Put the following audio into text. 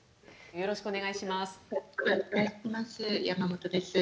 よろしくお願いします。